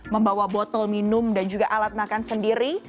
membawa botol minum dan juga alat makan sendiri